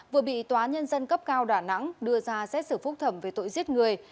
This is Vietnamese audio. vừa bị tòa nhân dân cấp cao đà nẵng đưa ra xét xử phúc thẩm về tội giết người